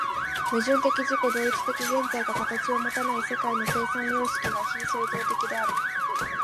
矛盾的自己同一的現在が形をもたない世界の生産様式が非創造的である。